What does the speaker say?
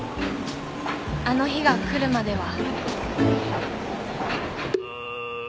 あの日が来るまでは］